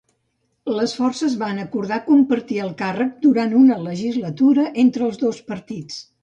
Les forces van acordar compartir el càrrec durant una legislatura entre els dos partits.